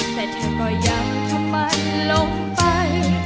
แต่เธอก็ยำขมันลงไป